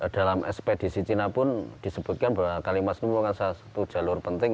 dalam ekspedisi cina pun disebutkan bahwa kalimas ini merupakan salah satu jalur penting